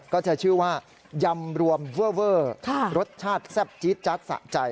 จะชื่อว่ายำรวมเวอร์เวอร์รสชาติแซ่บจี๊ดจัดสะใจ